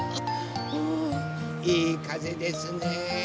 ふいいかぜですね。